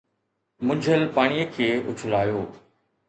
منجهيل پاڻيءَ کي اُڇلايو.